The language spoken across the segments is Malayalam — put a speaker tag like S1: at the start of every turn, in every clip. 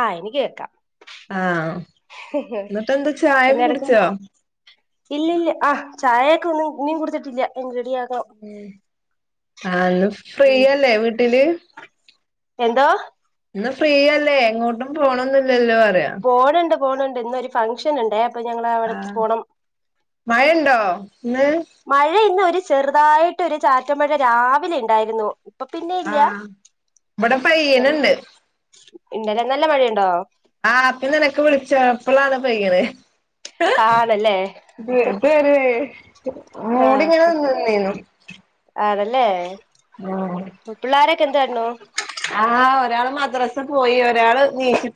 S1: ആ എനിക്ക്കേക്കാം
S2: ആഹ എന്നിട്ട് എന്താ ചായക്കെ കുടിച്ചോ
S1: ഇല്ലല്ല ആ് ചായയൊക്കെ ഒന്നും നീം കൊടുത്തിട്ടില്ല എന്ത്
S2: ഉ ആ ഇന്ന്
S1: ഉം
S2: ഫ്രീയല്ലേ വീട്ടില്
S1: എന്തോ
S2: ഇന്ന് ഫ്രീ അല്ലേ എങ്ങോട്ടും പോണംന്നില്ലല്ലോ
S1: പോണണ്ട് പോണണ്ട് ഇന്നൊരു ഫംഗഷൻ ഉണ്ടേ അപ്പൊ ഞങ്ങ അവിടക്ക്
S2: ആഹ്
S1: പോണം
S2: മഴയുണ്ടോ ഇന്ന്
S1: മഴ ഇന്ന് ഒരു ചെറുതായിട്ട് ഒരു ചാറ്റമഴ രാവിലെ ഉണ്ടായിരുന്നു അപ്പൊ പിന്നെ ഇല്ല
S2: ആഹ് ഇവിടെ പയ്യനുണ്ട്
S1: ഇന്നലെനല്ല മഴയുണ്ടോ
S2: ആഹ പിന്ന നിനക്ക് വിളിച്ചപ്പളാണ് പയ്യണ്
S1: ആണല്ലേ
S2: ബറ [inaudible]
S1: ആഹ്
S2: മൂടിങ്ങനെ നി നിന്നീര്ന്നേ നു
S1: അല്ലേ
S2: ആ ഒരാള് മദ്രസ് പോയി ഒരാള്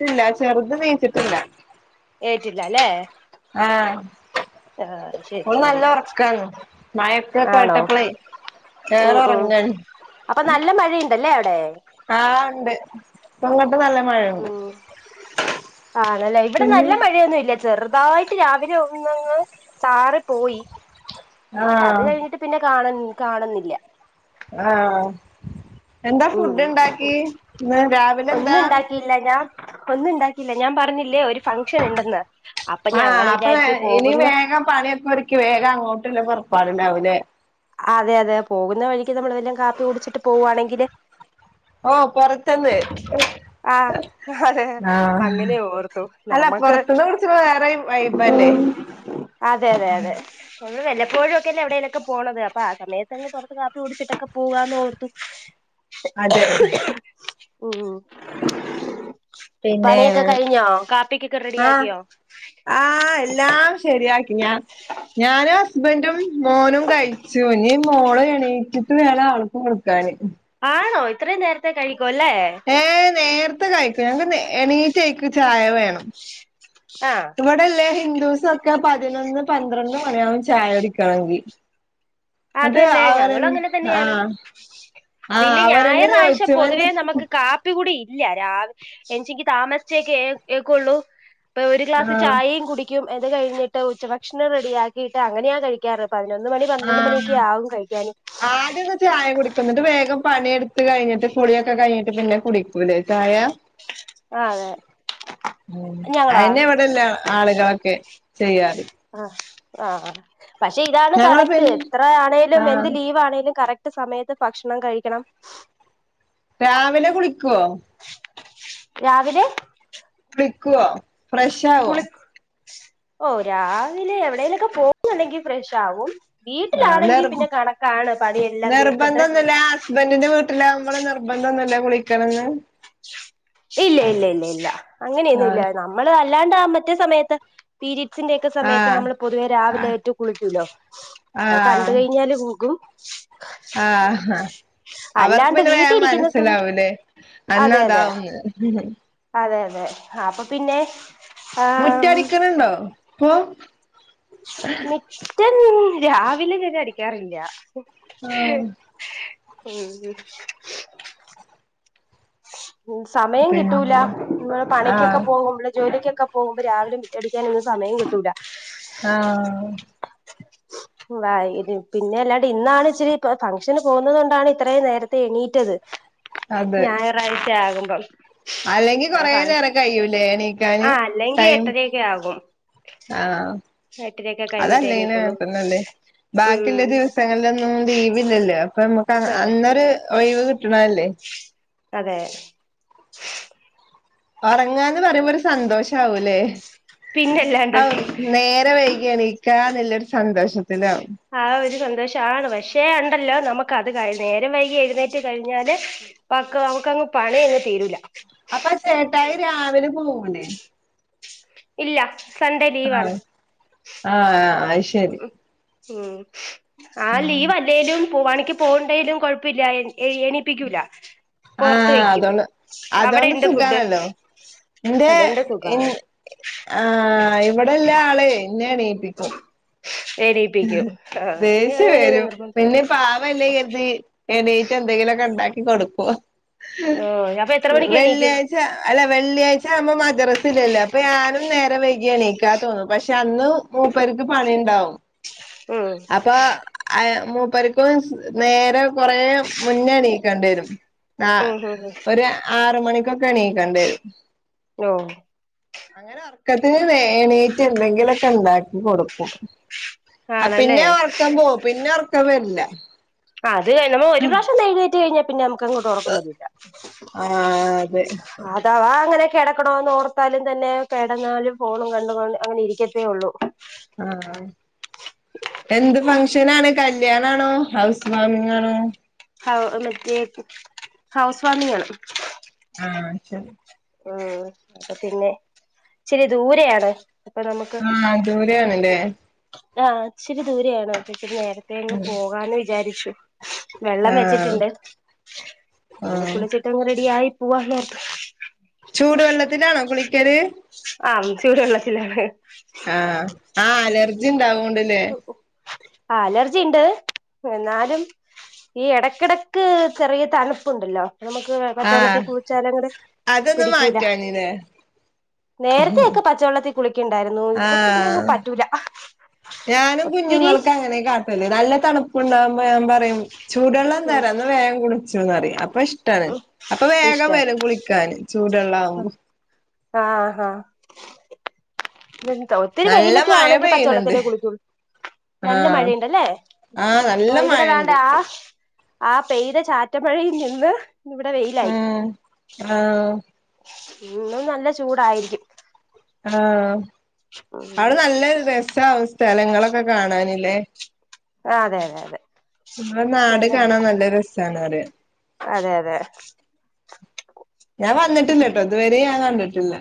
S2: ല്ല ചെറുത എനീച്ചിട്ടില്ല
S1: ഏറ്റില്ല അല്ലേ
S2: ആഹ
S1: ആഹ് ശരി ശരി
S2: ഓള്നല്ല ഉറക്കന്ന് മഴൊക്കെ
S1: ആണോ
S2: കേട്ടപ്പളേ വേറെ
S1: ഉം
S2: ഉറങ്ങ
S1: അപ്പൊ നല്ല മഴയുണ്ടല്ലേ അവിടെ
S2: ആഹ ഉണ്ട് ഇപ്പങ്ങട്ട് നല്ല മഴുണ്ട്
S1: ല്ല ഇവിടെ നല്ല മഴയൊന്നും ഇല്ല ചെറുതായിട്ട് രാവിലെ ഒന്നങ്ങ് ചാറിപോയി അത്
S2: ആഹ്
S1: കഴിഞ്ഞിട്ട് പിന്നെ കാണൻ കാണുന്നില്ല
S2: ആഹ എന്താ
S1: ഉം
S2: ഫുഡ് ഇണ്ടാക്കിന്ന് രാവിലെ
S1: ഒന്നും
S2: എന്താ
S1: ഉണ്ടാക്കിയില്ല ഞാൻ ഒന്നും ഉണ്ടാക്കില്ല ഞാൻ പറഞ്ഞ ഞങ്ങൾ
S2: ആഹ് അപ്പൊ
S1: വിചാരിച്ചു
S2: ഇനി
S1: പോകുന്ന
S2: വേഗം പണിയൊക്കെ ഒരുക്കി വേഗം അങ്ങോട്ടല്ല പുറ പാടണ്ടാവില്ലെ
S1: അതെ അതെ പോകുന്ന വഴിക്ക് നമ്മൾ വെല്ലാം കാപ്പി കുടിച്ചിട്ട് പോവുവാണെങ്കില്
S2: ഓപുറത്തന്ന്
S1: ആഹ് അതെ
S2: ആഹ
S1: അങ്ങനെ ഓർത്തു
S2: അല്ല
S1: നമ്മക്ക്
S2: പുറത്തന്ന് കുടിച്ച വേറെ വൈബല്ലേ
S1: അതെ അതെ അതെ നമ്മള് വല്ല പ്പോഴുംക്കെല്ലെ എവിടേലൊക്കെ പോണത് അപ്പൊ ആ സമയത്ത്ങ്ങ് പുറത്ത്ു കാപ്പി കുടിച്ചിട്ടൊക്കെ പോകാന്ന് ഓർത്തു
S2: അതെ
S1: ഉ
S2: പിന്നെ
S1: പണിയൊക്കെ കഴിഞ്ഞോ കാപ്പിക്കൊക്കെ റെഡിയ
S2: ആഹ്
S1: ആക്കിയോ
S2: ആഹ് എല്ലാം ശരിയാക്കി ഞാൻ ഞാനും ഹസ്ബൻറും മോനും കഴിച്ചു ഇനിമോള എണീച്ചിട്ട് വേണം ആൾക്ക് കൊടുക്കാന്
S1: ആണോ ഇത്രയും നേരത്തെ കഴിക്ക
S2: ഏഹ്
S1: ആഹ്
S2: ഇവിടെല്ലേ ഹിന്ദൂസ് ഒക്കെ പതിനൊന്ന് പന്ത്രണ്ട് മണിയാകും ചായ കുടിക്കണെങ്കി
S1: അത്
S2: എന്നിട്ട്
S1: തന്നെ
S2: അവരെ
S1: ഞങ്ങളും അങ്ങനെ തന്നെയാണ്
S2: ആഹ് ആഹ്
S1: പിന്നെ
S2: അവരെന്നെ
S1: ഞായറാഴ്ച
S2: ചോദിച്ചു എന്ത്
S1: പൊതുവേ നമുക്ക് കാപ്പികുടി ഇല്ല രാവിലെ എണീച്ചെങ്കി താമസിച്ചെക്കെ എഴുന്നേൽക്കുള്ളൂ അപ്പൊ ഒരു ഗ്ലാസ്‌
S2: ആഹ്
S1: ചായീം കുടി അത് കഴിഞ്ഞിട്ട് ഉച്ചഭക്ഷണം റെഡിയാക്കിയിട്ട് അങ്ങനെയാ കഴിക്കാറ് പതിനൊന്ന് മണി പന്ത്രണ്ട് മണി
S2: ആദ്യം ഒന്ന് ചായ കുടിക്കും ന്നിട്ട് വേഗം പണി യൊക്കെ കഴിഞ്ഞിട്ട് കുളിയൊക്കെ കഴിഞ്ഞിട്ട് പിന്നെ കുടിക്കും ലേ ചായ
S1: ആഹ് അതെ ഞങ്ങളാ
S2: അയന്നെ ഇവിടെല്ല ആളുകളൊക്കെ ചെയ്യാറ്
S1: ആഹ് ആഹ് ആ പക്ഷെ ഇതാണ്
S2: ഞങ്ങള്
S1: കറക്റ്റ്
S2: പിന്നെ
S1: എത്ര ആണേലും എന്ത്
S2: ആഹ്
S1: ലീവ് ആണേലും കറക്റ്റ് സമയത്ത് ഭക്ഷണം കഴിക്കണം
S2: രാവിലെ കുളിക്കോ
S1: രാവിലെ
S2: ക്കോ ഫ്രഷ് ആവോ
S1: ഓഹ് രാവിലെ എവിടേലൊക്കെ പോകുന്നുണ്ടെങ്കി ഫ്രഷ് ആവും
S2: ആഹ്
S1: വീട്ടിലാണെങ്കി
S2: നിർ
S1: പിന്നെ കണക്കാണ് പണി എല്ലാം തീർത്തിട്ട്
S2: നിർബന്ധൊന്നുല്ല തൊന്നുല്ല കുളിക്കണംന്ന്
S1: ഇല്ല ഇല്ല ഇല്ല ഇല്ല അങ്ങനെയൊന്നും ഇല്ല
S2: ആഹ്
S1: നമ്മള് അല്ലാണ്ട് ആ മറ്റേ സമയത്ത് പീരി ഡ്സിന്റെ ഒക്കെ സമയത്ത്
S2: ആഹ്
S1: നമ്മള് പൊതുവേ
S2: ആഹ്
S1: രാവിലേറ്റു കുളിക്കൂല്ലോ അത് കണ്ട് കഴിഞ്ഞാല് [unintelligible]
S2: ആ ഹാ അവർക്ക്
S1: അല്ലാണ്ട്
S2: പിന്നെ വേം
S1: വീട്ടിലിരിക്കുന്ന സമയം
S2: മനസ്സിലാവുല്ലേ അന്ന്
S1: അതെ അതെ
S2: അതാവുംന്ന്
S1: അതെ അതെ അപ്പൊ പിന്നെ ആം
S2: മുറ്റടിക്ക്ണ് ണ്ടോ ഇപ്പൊ
S1: മുറ്റം രാവിലെ ഞാന് അടിക്കാറില്ല
S2: ആഹ്
S1: ഉം ഉം ഉം സമയം
S2: പിന്നെ
S1: കിട്ടൂല നമ്മള്
S2: ആഹ്
S1: പണിക്കൊക്കെ പോകുമ്പള് ജോലിക്കൊക്കെ പോകുമ്പോ രാവിലെ മുറ്റടിക്കാനൊന്നും സമയം കിട്ടൂല
S2: ആഹ്
S1: വൈകിറ്റ് പിന്നെ അല്ലാണ്ട് ഇന്നാണ് ഇച്ചിരി പ്പൊ ഫംഗ്ഷന് പോകുന്നുന്നത് കൊണ്ടാണ് ഇത്രയും നേരത്തെ എണീറ്റത്
S2: അതെ
S1: ഞായറാഴ്ച്ചയാകുമ്പം
S2: അല്ലെങ്കി കൊറേ നേരം കയ്യുല്ലെ എണീക്കാന്
S1: ആ അല്ലെങ്കി
S2: ടൈം
S1: എട്ടരയൊക്കെ ആകും
S2: ആഹ്
S1: എട്ടരയൊക്കെ കഴിഞ്ഞിട്ടേ
S2: അതല്ലെങ്കിലും
S1: എണീക്കുള്ളൂ
S2: അങ്ങനത്തന്നെല്ലേ ബാക്കിയുള്ള
S1: ഉം
S2: ദിവസങ്ങളിലൊന്നും ലീവില്ലല്ലോ അപ്പൊ നമുക്ക്
S1: അതെ
S2: അന്നൊരു ഒഴിവ് കിട്ടണതല്ലേ
S1: അതെ
S2: ഒറങ്ങാന്ന് പറയുമ്പോ ഒരു സന്തോഷാവുല്ലേ
S1: പിന്നല്ലാണ്ട്
S2: ഔ നേരം വൈ കി എണിക്കാന്നുള്ളൊരു സന്തോഷത്തിനാവും
S1: ആ ഒരു സന്തോഷാണ് പക്ഷേ ഉണ്ടല്ലോ നമുക്കത് കഴി നേരം വൈകി എഴുന്നേറ്റ് കഴിഞ്ഞാല് പക്കാ നമ്മുക്കങ്ങ് പണിയങ്ങ് തീരൂല
S2: അപ്പ ചേട്ടായി രാവിലെ പോവൂലെ
S1: ഇല്ല സൺഡേ
S2: ആഹ്
S1: ലീവാണ്
S2: ആഹ് ആഹ് അത് ശരി
S1: ഉം ആഹ്
S2: ഉം
S1: ലീവല്ലേലും പു പണിക്ക് പോണുണ്ടേലും കൊഴപ്പവില്ല എണീ എണീപ്പിക്കൂല്ല
S2: ആഹ് അതോണ്ട് അതോണ്ട്
S1: ഇണ്ട് ഫുഡ്
S2: സുഖാണല്ലോ ഇന്റെ
S1: അതുകൊണ്ട്
S2: എൻ
S1: സുഖാണ്
S2: എ ആ ആഹ് ഇവിടെല്ല ആളുവെ എന്നെ എണീപ്പിക്കും
S1: എണീപ്പിക്കും ആ
S2: ദേഷ്യം
S1: അങ്ങനെയൊന്നും
S2: വരും
S1: നിർബന്ധ
S2: പിന്നെ പാവല്ലേ കരുതി എണീറ്റെന്തെങ്കിലുവൊ ക്കെ ഉണ്ടാക്കി കൊടുക്കുവാ
S1: ഓ അപ്പൊ എത്ര മണിക്ക് എണീക്കും
S2: വെള്ളിയാഴ്ച്ച അല്ല വെള്ളിയാഴ്ച്ച ആവുമ്പോ മദ്രസയില്ലല്ലൊ അപ്പൊ ഞാനും നേരം വൈകിയെണീക്കാ തോന്നും പക്ഷെ അന്ന് മൂപ്പർക്ക് പണി ഉണ്ടാവും
S1: ഉം
S2: അപ്പൊ [unintelligible] മൂപ്പർക്ക് നേരെ കൊറേ മുന്നെ എണീക്കണ്ടെ വരും ആ
S1: ഉം ഉം
S2: ഒരു ആറു മണിക്കൊക്കെ എണീക്കേണ്ടി വരും
S1: ഓ
S2: അങ്ങനെ ഉറക്കത്തിന് വേണീറ്റ് എണ്ടെങ്കിലൊക്കെ ഉണ്ടാക്കി കൊടുക്കും ആ പിന്നെ
S1: ആണല്ലേ
S2: ഉറക്കും പോ പിന്നെ ഉറക്കും വരില്ല.
S1: അത് നമ്മ ഒരു പ്രാവശ്യം ഒന്ന് എഴുന്നേറ്റു കഴിഞ്ഞാൽ പിന്നെ ങ്ങോട്ട് ഉറക്കവരുല്ല
S2: ആ അതെ
S1: അതാവാ അങ്ങനെ കിടക്കണോന്ന് ഓർത്താലും തന്നെ കിടന്നാലും ഫോണും കണ്ടണ്ട് അങ്ങനെ ഇരിക്കത്തേ ഉള്ളൂ
S2: ആ എന്ത് ഫംഗ്ഷനാണ് കൽ ല്ല്യണ ആണോ ഹൗസ് വാമിംഗ് ആണോ
S1: ഹൗ മറ്റേ ഹൗസ് വാമിങ്ങാണ്
S2: ആ ച്ചാ
S1: ഉം അപ്പ പിന്നെ ഇച്ചിരി ദൂരെ ആണ്
S2: ആ ദൂരെയാണ് ലെ
S1: ആ ഇച്ചിരി ദൂരെ ആണ് അപ്പ ഇച്ചിരി നേരത്തെ അങ്ങ് പോകാന്ന് വിചാരിച്ചു വെള്ളം വെച്ചിട്ട്
S2: ആഹ്
S1: ഇണ്ട് ഇനി
S2: ആഹ്
S1: കുളിച്ചിട്ടങ്ങ് റെഡി ആയി പൂവണം
S2: ചൂടുവെള്ളത്തിലാണോ കുളിക്കൽ
S1: ആ ചൂട് വെള്ളത്തിലാണ്
S2: ആ ആ അലർജി ഇണ്ടാവൊണ്ട് ലെ
S1: ജി ഇണ്ട് എന്നാലും ഈ എടക്ക് എടക്ക് ചെറിയ തണുപ്പുണ്ടല്ലോ നമുക്ക് പച്ച വെള്ളത്തി
S2: ആഹ്
S1: കുളിച്ചാലങ്ങനെ
S2: അതൊന്ന്
S1: പിടിക്കൂലാ
S2: മാറ്റാഞ്ഞില്ലേ
S1: നേരത്തെ ഒക്കെ പച്ചവെള്ളത്തിൽ കുളിക്ക ഇണ്ടായിരുന്നു ഇപ്പ പിന്നെ അങ്ങ്
S2: ആഹ്
S1: പ
S2: ഞാനും കുഞ്ഞുങ്ങൾക്ക് അങ്ങനെ കാട്ടൽ നല്ല തണു ണ്ടവുമ്പോ ഞൻ പറയും ചൂടെള്ളം
S1: ഉം
S2: തരാം ഇന്നാ വേം കുൾച്ചുന്ന് പറിം പ്പ ഇഷ്ടാണ്
S1: ഉം
S2: അപ്പ വേഗം വെറും കുളിക്കാന് ചൂ
S1: അ ആഹ ഇന്നെ തോ ഒത്തിരി
S2: നല്ല
S1: വെയിലൊക്കെ
S2: മഴ
S1: ആണെങ്കി
S2: പെയ്യ്ണ് ണ്ട്
S1: പച്ചവെള്ളത്തിലെ കുളിക്കൊ നല്ല മഴ
S2: ആഹ്
S1: ഇണ്ട് അല്ലേ
S2: ആഹ് നല്ല
S1: ഓ ഇവടെ താണ്ട്
S2: മഴണ്ട്
S1: ആ ആ പെയ്ത ചാറ്റൽ മഴയിംനിന്ന്
S2: ഉം ആ
S1: ഇന്നും നല്ല ചൂടായിരിക്കും
S2: ആ
S1: ഉം
S2: അയുടെ നല്ല രസാവും സ്ഥലങ്ങളൊക്കെ കാണാൻ ലെ
S1: അതെ അതെ അതെ
S2: ഇങ്ങളെ നാട്
S1: നല്ല
S2: കാണാൻ
S1: രസ
S2: നല്ല രസാണ് പറിയാ
S1: അതെ അതെ
S2: ഞാൻ വന്നിട്ടില്ലട്ടോ ഇത് വെരീം ഞാൻ കണ്ട്ട്ടില്ല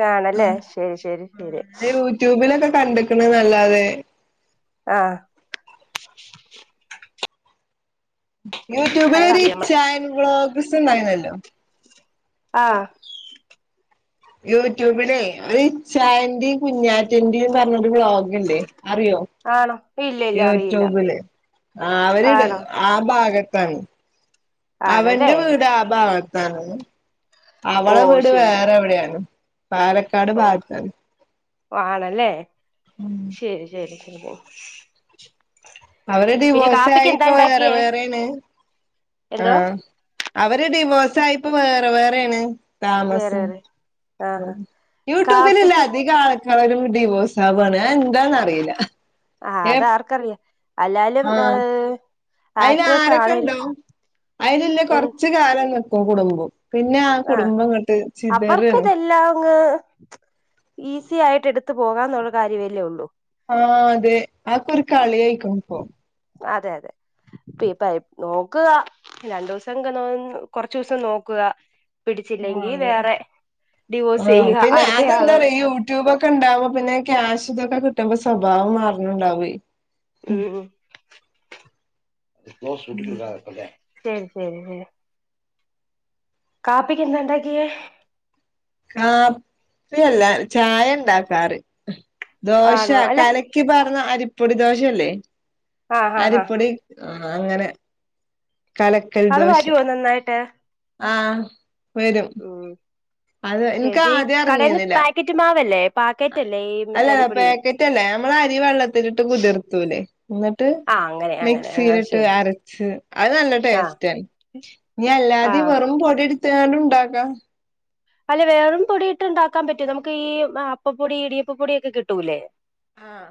S1: കാണല്ലേ ശരി ശരി ശരി
S2: യൂട്യൂബിലൊക്കെ കണ്ട്ക്ക്ണ്ന്ന് അല്ലാതെ
S1: ആ
S2: യൂട്യൂബിൽ ഒരു ഇച്ചായൻ വ്ളോഗ്സ് ഇണ്ടായിന്നല്ലോ
S1: ആ
S2: യൂട്യൂബിലെ ഒര് ഇച്ചായന്റിം കുഞ്ഞാറ്റന്റിം പർണ് ഒര് വ്ലോഗ് ഇല്ലേ അറിയോ
S1: ആണോ ഇല്ല ഇല്ല അറിയില്ല
S2: യൂട്യൂബ്ൽ അവര്
S1: ആണോ
S2: ആ ഭാഗ ത്താണ് അവന്റെ
S1: ആണല്ലേ
S2: വീട് ആ ഭാഗത്താണ്
S1: ഓ
S2: അവളെ വീട്
S1: ശരി
S2: വേറെ എവ്ടെയാണ് പാലക്കാട് ഭാഗത്താണ്
S1: ഓ ആണല്ലേ ശെരി ശെരി ശെരി
S2: അവര് ഡിവോഴ്സായിപ്പൊ വേറെ
S1: ഉണ്ടാക്കിയേ
S2: വേറേണ് ആ
S1: എന്തോ
S2: അവര് ഡിവോഴ്സായിപ്പോ വേറെ വേറെ ആണ്.
S1: വേറെ
S2: താമസം
S1: വേറെ ആഹ്
S2: ഇതും യൂട്യൂബ്ൽ ഇല്ലെ
S1: കാപ്പിക്ക്
S2: അധിക ആൾ ക്കാരും ഡിവോസാവാണ് അയെന്താന്ന് അറീല
S1: ആഹ്
S2: എ
S1: അതാർക്കറിയാം അല്ലാലും
S2: ആ
S1: ഏഹ്
S2: അയിൽ
S1: ആക്ട്രസ്
S2: ആരെക്കെ
S1: ആണേലും
S2: ഇണ്ടോ അയ്ൽ ഇല്ലെ കൊർച്ച് കാലം നിക്കും കുടുംബം പിന്നെ
S1: ആ
S2: കുടുംബം ഇങ്ങട്ട്
S1: അവർക്ക്
S2: ചിതറാണ്
S1: ഇതെല്ലാം അങ്ങ് ഈ സി ആയിട്ട് എട്ത്ത് പോകാന്നുള്ള കാര്യവല്ലേ ഒള്ളു
S2: ആ അതെ ആയൊക്കൊര് കളിയ്ക്ക്ണ് ഇപ്പൊ
S1: അതെ അതെ ഇപ്പയിപ്പ നോക്ക്കാ രണ്ടൂസുക്കെ നോ കൊർച്ചൂസം നോക്ക്കാ
S2: ആ അതെ ആ
S1: ഡിവോഴ്സ് ചെയ്യുക
S2: പിന്നെ
S1: അടുത്തയാള്
S2: അതെന്താറിയോ ഈ യൂട്യൂബ് ക്കെ ഉണ്ടാവുമ്പോ പിന്നെ ക്യാഷ് ഇതൊക്കെ കിട്ടുമ്പ സ്വഭാവം മാറെണണ്ടാവോയ്
S1: ഉം ഉം ഹലോ [unintelligible] ഉം ഉം ഉം കാപ്പിക്ക് എന്താണ്ടാക്കിയേ
S2: കാപ്പി അല്ല ചായ ഉണ്ടാക്കാറ് ദോശ
S1: ആണോ അല്ല
S2: കലക്കി പാർന്ന അരിപ്പൊടി ദോശല്ലേ
S1: ആഹ് ആഹ് ആഹ്
S2: അരിപ്പൊടി ആഹ് അങ്ങനെ കലക്കൽ
S1: അത്
S2: ദോശ
S1: വരുവോ നന്നായിട്ട്
S2: ആഹ് വെരും
S1: ശരിശരി കടേന്ന് പാക്കറ്റ് മാ
S2: അല്ലല്ല പാക്കറ്റ് അല്ല ഞമ്മളരി വെള്ളത്തിലിട്ട് കുതിർത്തൂലെ ന്നിട്ട്
S1: ആഹ് അങ്ങനെ അങ്ങനെ ആ
S2: മിക്സീലിട്ട്
S1: ശരി
S2: അരച്ച് അത് നല്ല
S1: ആഹ്
S2: ടെസ്റ്റാണ്. ഞ്ഞി അല്ലാതെ
S1: ആഹ്
S2: വെറും പൊടിടെ ത്താണ്ടു ണ്ടാക്കാ
S1: അല്ലെ വെറും പൊടി ഇട്ടുണ്ടാക്കാൻ പറ്റോ നമ്മക്ക് ഈ അപ്പപ്പൊടി, ഇടിയപ്പ പൊടിയൊക്കെ കിട്ടൂല്ലേ-
S2: ആഹ്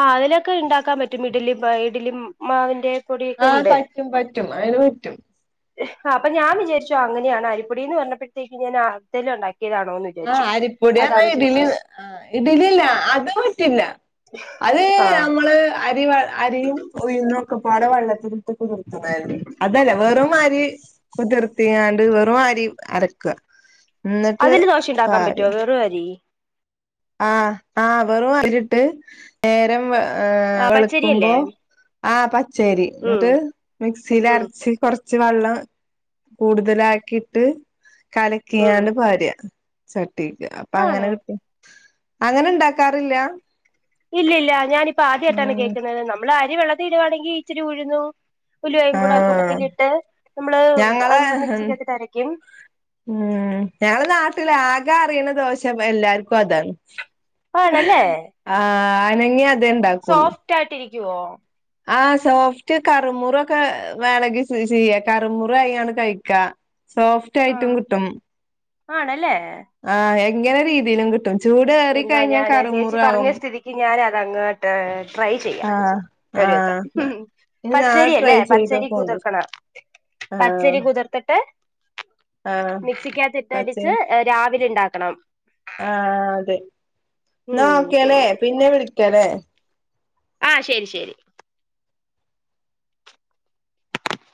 S1: ആഹ് അതിലൊക്കെ ഉണ്ടാക്കാൻ പറ്റും ഇഡ്ലി ഇഡ്ലിമാവിന്റെ
S2: ആഹ് പറ്റും പറ്റും അയ്ല് പറ്റും
S1: ആഹ് അപ്പഞാ വിചാരിച്ചു അങ്ങനെയാണ് അരിപ്പൊടി എന്ന് പറഞ്ഞപ്പോഴത്തേക്ക് ഞാൻ [unintelligible] ഒണ്ടാക്കി
S2: ആഹ് അരിപ്പൊടിറഞ്ഞ ഇഡ്ലി ആഹ് ഇഡ്ലി അല്ല അത് പറ്റില്ല. അതെ
S1: ആ
S2: നമ്മളെ അരി അരിയും ഉയ്ന്നൊക്കെപ്പാടെ വള്ളത്തില് [unintelligible] അതല്ല വെറും അരി കുതിർത്തിങ്ങാണ്ട് വെറും അരി അരക്ക ഇന്നട്ട്
S1: ണ്ടാക്കാം പറ്റോ വെറും അരി
S2: ആഹ് ആഹ് വെറും അരിട്ട് നേരം ഹ്
S1: ആ
S2: വെൾക്കുമ്പോ
S1: പച്ചരിയല്ലേ
S2: ആഹ് പച്ചരി
S1: ഉം
S2: ഇന്ന്ട്ട്
S1: ഉം
S2: മിക്സീലരച്ച് കൊർ ച്ച് വള്ളം കൂടുതലാക്കിട്ട്
S1: ഉം
S2: കലക്കിങ്ങാണ്ട് പാരാ ചട്ടിക്ക് അപ്പ അങ്ങനെ
S1: ആണോ
S2: കിട്ടും അങ്ങനെ ഇണ്ടാക്കാറില്ല?
S1: ഇല്ലല്ല ഞാനിപ്പ ആദ്യായിട്ടാണ് കേക്ന്നത് നമ്മള് അരി വെള്ളത്തിലിടുവാണെങ്കി ഇച്ചിരി ഉഴ്ന്നും ഉലുവയും കൂടെ ആ
S2: ആഹ്
S1: കൂട്ടത്തിലിട്ട് നമ്മള്
S2: ഞങ്ങളെ
S1: മിക്സിക്ക കത്തിട്ടരക്കും
S2: ഉം ഞങ്ങള് നാട്ടിലാ ആ കറീണ ദോശ എല്ലാർക്കും അതാണ് ആഹ് അനങ്ങിയാ അ
S1: സോഫ്റ്റായിട്ടിരിക്കുവോ?
S2: ആഹ് സോഫ്റ്റ് കറുമുറൊക്കെ വേണങ്കി ചെയ്യ കറുമുറു ആയാണ്ട് കഴിക്കാ
S1: ആ
S2: സോഫ്റ്റായിട്ടും കിട്ടും
S1: ആണല്ലേ
S2: ആഹ് എങ്ങനെ രീതിലും കിട്ടും ചൂട് ഏറി
S1: എന്നാ
S2: കഴിഞ്ഞാൽ
S1: ഞാന് ചേച്ചി
S2: കറുമുറു
S1: പറഞ്ഞ
S2: ആകും
S1: സ്ഥിതിക്ക് ഞാന് അതങ്ങോട്ട് ട്രൈ ചെയ്യാം
S2: ആഹ്
S1: ഒരൂസം
S2: ആഹ് ഇനി നാളെ ട്രൈ
S1: പച്ചരിയല്ലേ പച്ചരി
S2: ചെയ്തോക്കോണ്ടു
S1: കുതിർക്കണം
S2: ആഹ്
S1: പച്ചരി കുതിർത്ത്ട്ട്
S2: ആഹ്
S1: മിക്സിക്ക
S2: പച്ചേ
S1: കത്തിട്ടടിച്ച് രാ ര് ഇണ്ടാക്കണം
S2: ആഹ് അതെ എന്നാ
S1: ഉം
S2: ഓക്കെ ലെ പിന്നെ വിളിക്കലെ
S1: ആഹ് ശെരി ശെരി